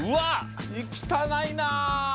行きたないな。